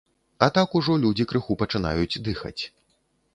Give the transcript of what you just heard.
А так ужо людзі крыху пачынаюць дыхаць.